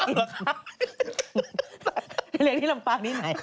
พี่เลี้ยงที่ลำปางนี่ไง